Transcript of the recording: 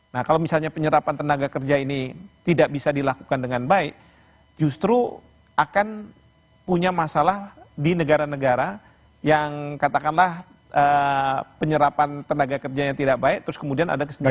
nah kalau misalnya penyerapan tenaga kerja ini tidak bisa dilakukan dengan baik justru akan punya masalah di negara negara yang katakanlah penyerapan tenaga kerjanya tidak baik terus kemudian ada kesedihan